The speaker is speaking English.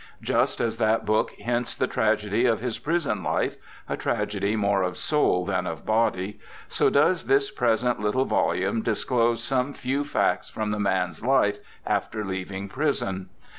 Just as that book hints the tragedy of his prison life, a tragedy more of soul than of body, so does this present little volume disclose some few facts from the man's life after leaving prison.